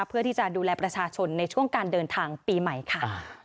เพื่อที่จะดูแลประชาชนในช่วงการเดินทางปีใหม่ค่ะ